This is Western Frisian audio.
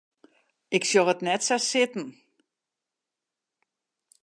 Ik sjoch it net sa sitten.